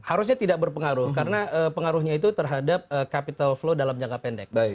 harusnya tidak berpengaruh karena pengaruhnya itu terhadap capital flow dalam jangka pendek